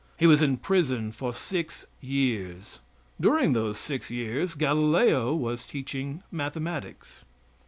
He was in prison for six years. (During those six years Galileo was teaching mathematics.)